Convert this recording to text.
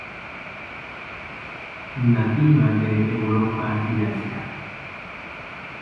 Nativa de Europa y Asia.